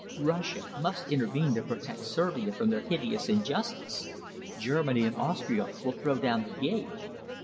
Russia must intervene to protect Servia from their hideous injustice. Germany and Austria will throw down the gage.